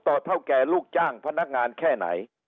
เท่าแก่ลูกจ้างพนักงานแค่ไหน